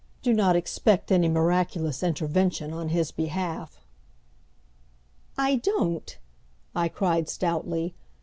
Do not expect any miraculous intervention on his behalf." "I don't," I cried stoutly.